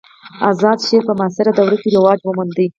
آزاد شعر په معاصره دوره کښي رواج وموند.